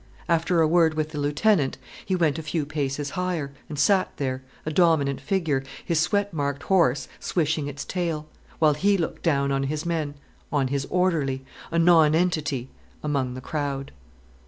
After a word with the lieutenant, he went a few paces higher, and sat there, a dominant figure, his sweat marked horse swishing its tail, while he looked down on his men, on his orderly, a nonentity among the crowd.